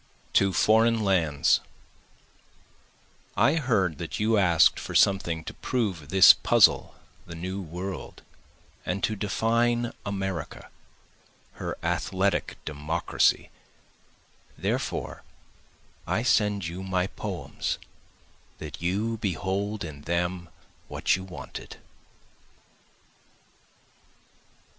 To Foreign Lands I heard that you ask'd for something to prove this puzzle the New World, And to define America, her athletic Democracy, Therefore I send you my poems that you behold in them what you wanted.